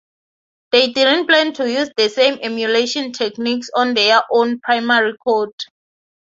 They didn't plan to use the same emulation techniques on their own primary code.